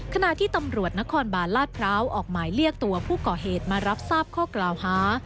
ขณะที่ตำรวจนครบาลลาดพร้าวออกหมายเรียกตัวผู้ก่อเหตุมารับทราบข้อกล่าวหา